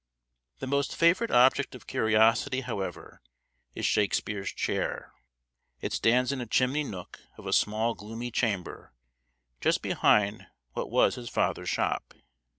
The most favorite object of curiosity, however, is Shakespeare's chair. It stands in a chimney nook of a small gloomy chamber just behind what was his father's shop.